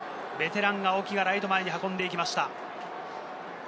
鮮やかにベテラン・青木がライト前に運んでいきました。